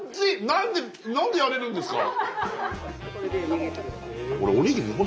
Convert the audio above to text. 何で何でやれるんですか？